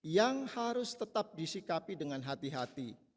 yang harus tetap disikapi dengan hati hati